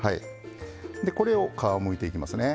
でこれを皮むいていきますね。